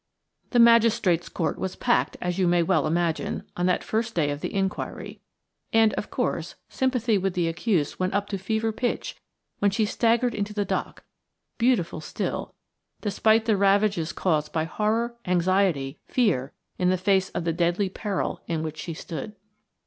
The magistrate's court was packed, as you may well imagine, on that first day of the inquiry; and, of course, sympathy with the accused went up to fever pitch when she staggered into the dock, beautiful still, despite the ravages caused by horror, anxiety, fear, in face of the deadly peril in which she stood.